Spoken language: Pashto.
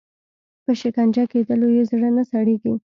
په شکنجه کېدلو یې زړه نه سړیږي.